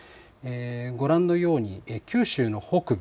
ご覧のように九州の北部